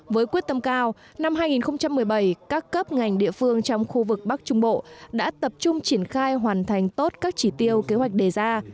với quyết tâm cao năm hai nghìn một mươi bảy các cấp ngành địa phương trong khu vực bắc trung bộ đã tập trung triển khai hoàn thành tốt các chỉ tiêu kế hoạch đề ra